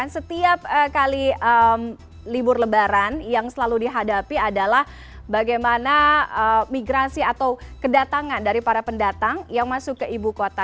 setiap kali libur lebaran yang selalu dihadapi adalah bagaimana migrasi atau kedatangan dari para pendatang yang masuk ke ibu kota